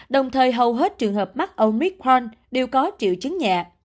đồng thời hầu hết trường hợp mắc omicron đều có triệu chứng nhẹ